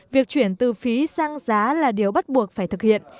việc chuyển từ phí sang giá là điều bắt buộc phải thực hiện